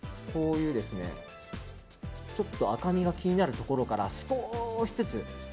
ちょっと赤みが気になるところから少しずつ。